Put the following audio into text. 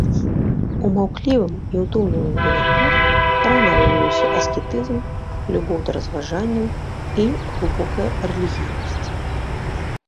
У маўклівым і удумлівым юнаку рана выявіўся аскетызм, любоў да разважанняў і глыбокая рэлігійнасць.